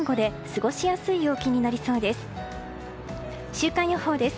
週間予報です。